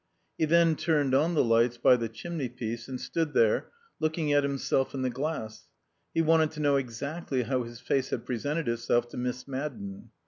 He then turned on the lights by the chimneypiece and stood there, looking at himself in the glass. He wanted to know exactly how his face had presented itself to Miss Madden.